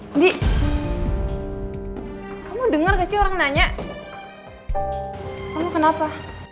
andi kamu dengar gak sih orang nanya kamu kenapa